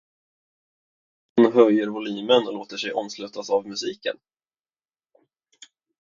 Hon höjer volymen och låter sig omslutas av musiken.